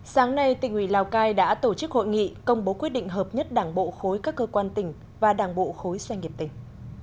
sáng nay tỉnh ủy lào cai đã tổ chức hội nghị công bố quyết định hợp nhất đảng bộ khối các cơ quan tỉnh và đảng bộ khối doanh nghiệp tỉnh